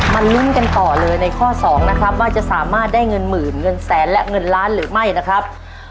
ลุ้นกันต่อเลยในข้อ๒นะครับว่าจะสามารถได้เงินหมื่นเงินแสนและเงินล้านหรือไม่นะครับ